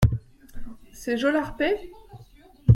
C’est Jolarpet ?